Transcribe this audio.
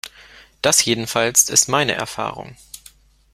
Das jedenfalls ist meine Erfahrung.